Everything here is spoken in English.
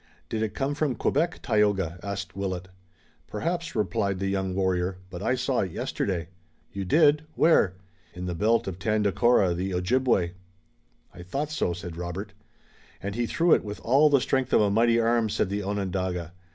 "Did it come from Quebec, Tayoga?" asked Willet. "Perhaps," replied the young warrior, "but I saw it yesterday." "You did! Where?" "In the belt of Tandakora, the Ojibway." "I thought so," said Robert. "And he threw it with all the strength of a mighty arm," said the Onondaga.